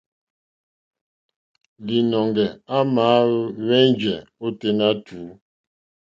Līnɔ̄ŋgɛ̄ à màá hwēŋgɛ́ ôténá tùú.